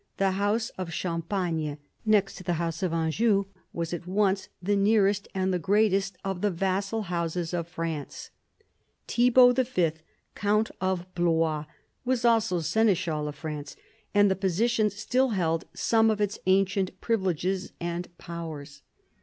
The house of Champagne, next to the house of Anjou, was at once the nearest and the greatest of the vassal houses of France. Thibault V., count of Blois, was also seneschal of France, and the position still held some of its ancient privileges and powers.